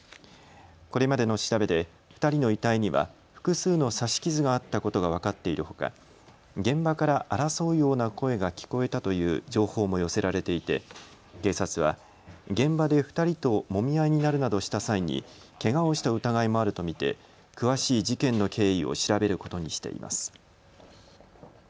これまでの調べで２人の遺体には複数の刺し傷があったことが分かっているほか現場から争うような声が聞こえたという情報も寄せられていて警察は現場で２人ともみ合いになるなどした際にけがをした疑いもあると見て詳しい事件の経緯を調べることにしています。